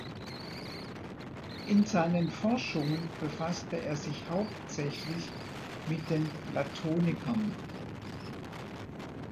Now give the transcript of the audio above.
In seinen Forschungen befasste er sich hauptsächlich mit den Platonikern.